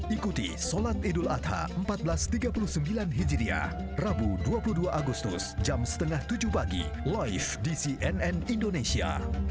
ikuti sholat idul adha seribu empat ratus tiga puluh sembilan hijriah rabu dua puluh dua agustus jam setengah tujuh pagi live di cnn indonesia